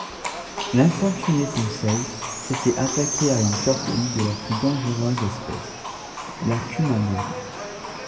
L'infortuné Conseil s'était attaqué à une torpille de la plus dangereuse espèce, la cumana.